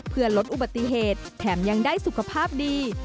เพื่อลดอุบัติเหตุแถมยังได้สุขภาพดี